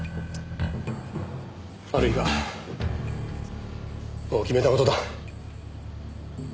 悪いがもう決めた事だ。